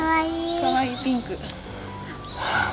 かわいいピンク。